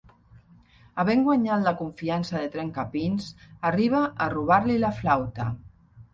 Havent guanyat la confiança de Trencapins, arriba a robar-li la flauta.